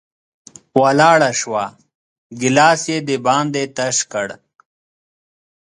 ولاړه شوه، ګېلاس یې د باندې تش کړ